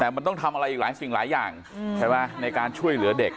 แต่มันต้องทำอะไรอีกหลายสิ่งหลายอย่างใช่ไหมในการช่วยเหลือเด็ก